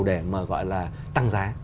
để mà gọi là tăng giá